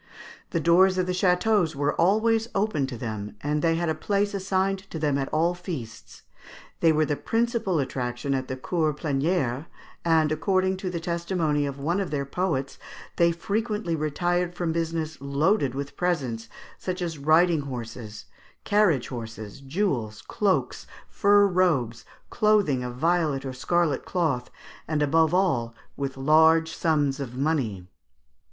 The doors of the châteaux were always open to them, and they had a place assigned to them at all feasts. They were the principal attraction at the Cours Plénières, and, according to the testimony of one of their poets, they frequently retired from business loaded with presents, such as riding horses, carriage horses, jewels, cloaks, fur robes, clothing of violet or scarlet cloth, and, above all, with large sums of money.